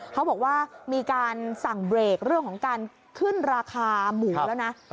เขาบอกว่ามีการสั่งเบรกเรื่องของการขึ้นราคาหมูแล้วนะ